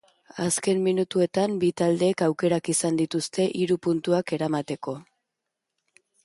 Azken minutuetan, bi taldeek aukerak izan dituzte hiru puntuak eramateko.